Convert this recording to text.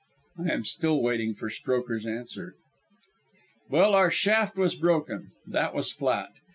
I am still waiting for Strokher's answer. Well, our shaft was broken. That was flat.